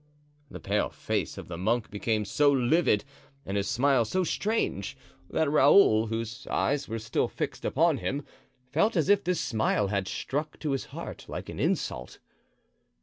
The pale face of the monk became so livid and his smile so strange, that Raoul, whose eyes were still fixed upon him, felt as if this smile had struck to his heart like an insult.